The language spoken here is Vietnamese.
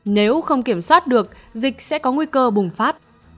nếu không kiểm soát được dịch sẽ có nguy cơ bùng phát